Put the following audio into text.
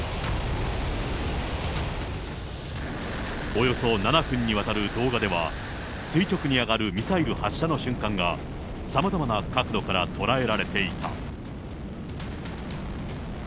およそ７分にわたる動画では、垂直に上がるミサイル発射の瞬間が、さまざまな角度から捉えられていた。